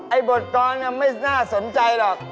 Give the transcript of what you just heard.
บทกรไม่น่าสนใจหรอก